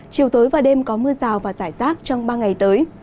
chiều tối và đêm có mưa rào và rải rác trong ba ngày tới